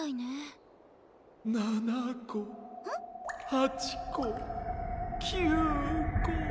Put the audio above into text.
８こ９こ。